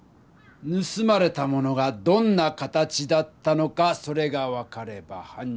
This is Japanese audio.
ぬすまれたものがどんな形だったのかそれが分かればはん